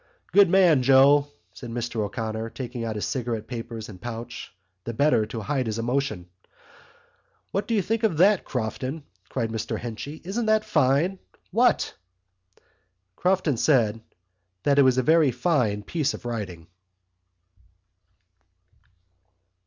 "Good man, Joe!" said Mr O'Connor, taking out his cigarette papers and pouch the better to hide his emotion. "What do you think of that, Crofton?" cried Mr Henchy. "Isn't that fine? What?" Mr Crofton said that it was a very fine piece of writing.